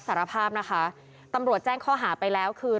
สารภาพนะคะตำรวจแจ้งข้อหาไปแล้วคือ